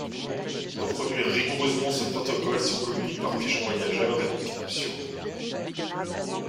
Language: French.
Reproduire rigoureusement ce protocole si on communique par pigeons voyageurs est donc absurde.